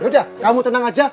udah kamu tenang aja